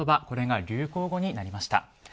これが流行語になりました。